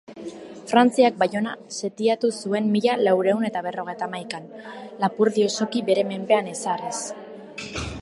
Frantziak Baiona setiatu zuen mila laurehun eta berrogeitahamaikan, Lapurdi osoki bere menpean ezarriz.